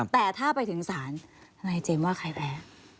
แต่ถ้าไปถึงศาลทนายเจมส์ว่าใครแพ้